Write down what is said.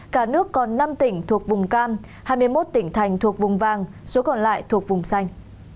cả nước còn năm tỉnh thuộc vùng cam hai mươi một tỉnh thành thuộc vùng vàng số còn lại thuộc vùng xanh